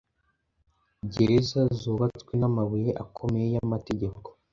Gereza zubatswe n'amabuye akomeye y'amategeko,